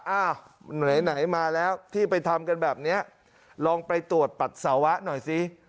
อ้าวไหนมาแล้วที่ไปทำกันแบบนี้ลองไปตรวจปัสสาวะหน่อยสิ